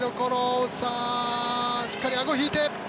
しっかりあごを引いて！